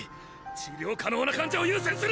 治療可能な患者を優先する！